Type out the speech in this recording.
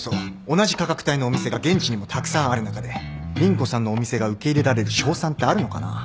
同じ価格帯のお店が現地にもたくさんある中で凛子さんのお店が受け入れられる勝算ってあるのかな？